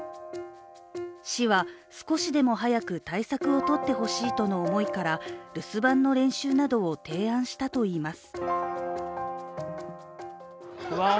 市は少しでも早く対策をとってほしいとの思いから留守番の練習などを提案したといいます。